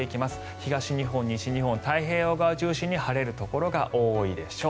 東日本、西日本、太平洋側を中心に晴れるところが多いでしょう。